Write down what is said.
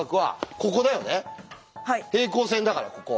平行線だからここ。